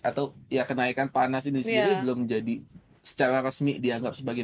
atau ya kenaikan panas ini sendiri belum jadi secara resmi dianggap sebagai